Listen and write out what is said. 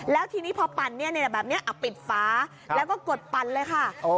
แล้วทีนี้พอปั่นแบบนี้ปิดฝาแล้วก็กดปั่นเลยค่ะ